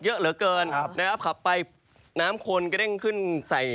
เยอะเหลือเกินครับนะครับขับไปน้ำคนกระเด้งขึ้นใส่